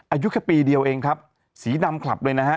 อายุแค่ปีเดียวเองครับสีดำคลับเลยนะฮะ